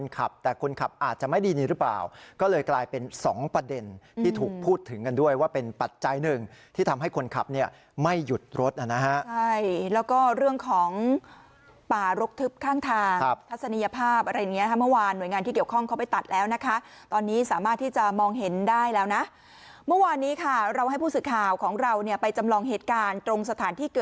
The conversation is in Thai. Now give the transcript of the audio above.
ขับแต่คนขับอาจจะไม่ดีหรือเปล่าก็เลยกลายเป็นสองประเด็นที่ถูกพูดถึงกันด้วยว่าเป็นปัจจัยหนึ่งที่ทำให้คนขับเนี่ยไม่หยุดรถนะฮะใช่แล้วก็เรื่องของป่ารกทึบข้างทางทัศนียภาพอะไรอย่างเงี้ยค่ะเมื่อวานหน่วยงานที่เกี่ยวข้องเขาไปตัดแล้วนะคะตอนนี้สามารถที่จะมองเห็นได้แล้วนะเมื่อวานนี้ค่ะเราให้ผู้สื่อข่าวของเราเนี่ยไปจำลองเหตุการณ์ตรงสถานที่เกิด